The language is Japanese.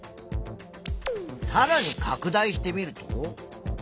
さらにかく大してみると。